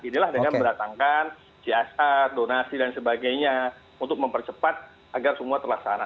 inilah dengan mendatangkan csr donasi dan sebagainya untuk mempercepat agar semua terlaksana